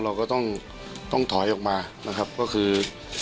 เราก็ต้องถอยออกมานะครับก็คือ